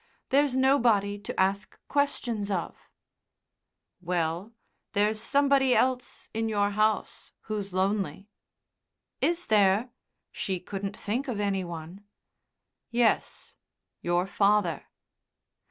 There's nobody to ask questions of." "Well, there's somebody else in your house who's lonely." "Is there?" She couldn't think of any one. "Yes. Your father."